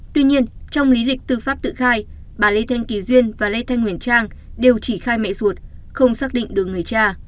tuy nhiên trong lý lịch tư pháp tự khai bà lê thanh kỳ duyên và lê thanh huyền trang đều chỉ khai mẹ ruột không xác định được người cha